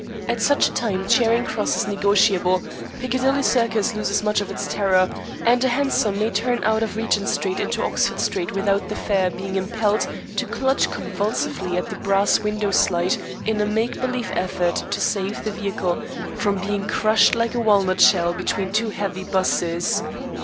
At such a time Charing Cross is negotiable, Piccadilly Circus loses much of its terror, and a hansom may turn out of Regent Street into Oxford Street without the fare being impelled to clutch convulsively at the brass window slide in a make believe effort to save the vehicle from being crushed like a walnut shell between two heavy 'buses.